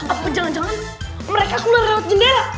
aku jangan jangan mereka keluar lewat jendela